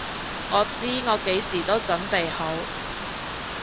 我知我幾時都準備好！